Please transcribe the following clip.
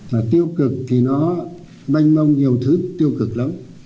mà tiêu cực thì nó banh mông nhiều thứ tiêu cực lắm